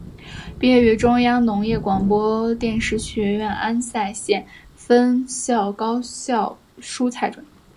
毕业于中央农业广播电视学校安塞县分校高效蔬菜专业。